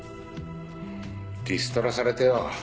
リストラされてよ。